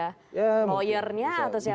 pada lawyernya atau siapa gitu